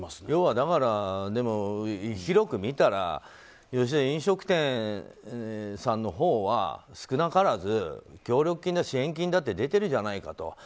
要は広く見たら、吉田吉田、飲食店さんのほうは少なからず協力金だ、支援金だって出てるじゃないかと。